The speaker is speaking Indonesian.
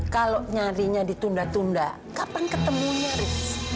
kalau nyarinya ditunda tunda kapan ketemunya riz